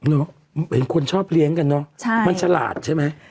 น้องเป็นคนชอบเลี้ยงกันเริ่มชลาดใช่ไหม